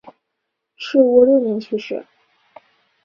赤乌六年去世。